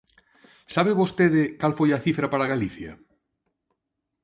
¿Sabe vostede cal foi a cifra para Galicia?